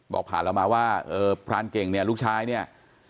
บอกผ่านเรามาว่าพรานเก่งเนี่ยลูกชายเนี่ย